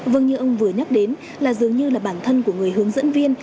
vâng như ông vừa nhắc đến là dường như là bản thân của người hướng dẫn viên